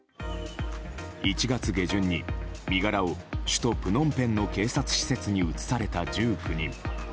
１月下旬に身柄を首都プノンペンの警察施設に移された１９人。